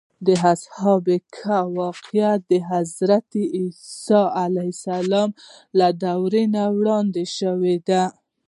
د اصحاب کهف واقعه د حضرت عیسی له دور وړاندې شوې ده.